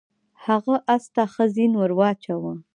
هغه اس ته ښه زین ور واچاوه.